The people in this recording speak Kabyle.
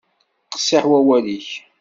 Qessiḥ wawal-ik.